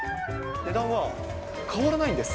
値段は変わらないんです。